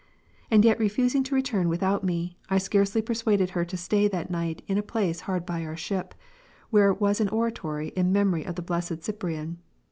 And yet refusing to return without me, I scarcely persuaded her to stay that night in a place hard by our ship, where was an Oratory"^ in memory of the blessed Cyprian.